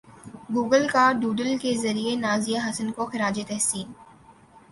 Google کا doodle کے ذریعے نازیہ حسن کو خراج تحسین